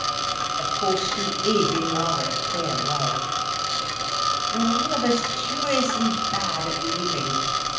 Of course she is in rather a queer way. We're all of us curiously bad at living.